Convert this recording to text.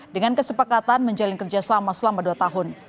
dengan kesepakatan menjalin kerjasama selama dua tahun